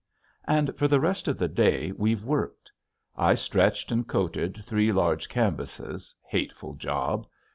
And for the rest of the day we've worked. I stretched and coated three large canvases, hateful job!